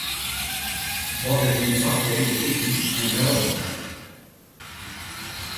Wat is dyn favorite iten en wêrom?